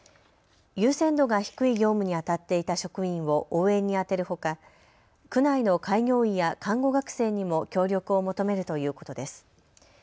優先度が低い業務にあたっていた職員を応援に充てるほか区内の開業医や看護学生にも協力を求めるということです。